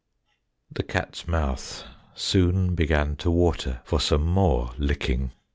The cat's mouth soon began to water for some more licking.